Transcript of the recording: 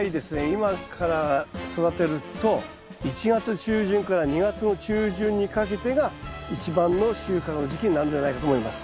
今から育てると１月中旬から２月の中旬にかけてが一番の収穫の時期になるんじゃないかと思います。